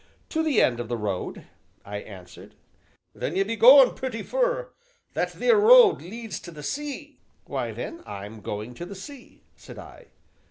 "To the end of the road," I answered. "Then you be goin' pretty fur that theer road leads to the sea." "Why, then I'm going to the sea," said I.